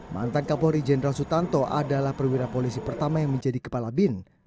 mantan kapolri jenderal sutanto adalah perwira polisi pertama yang menjadi kepala bin